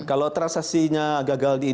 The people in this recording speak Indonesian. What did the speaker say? kalau transaksinya gagal di